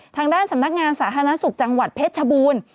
ทางด้านสำนักงานสาธารณสุขจังหวัดเพชรชบูรณ์